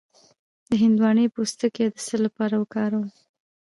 د هندواڼې پوستکی د څه لپاره وکاروم؟